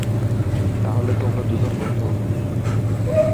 তাহলে তোমরা দুজন বন্ধু?